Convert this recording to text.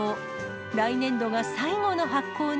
来年度が最後の発行に。